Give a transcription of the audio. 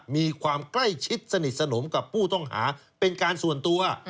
มีความใกล้ชิดสนิทสนมกับผู้ต้องหาเป็นการส่วนตัว